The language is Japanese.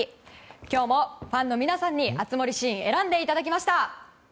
今日もファンの皆さんに熱盛シーン選んでいただきました。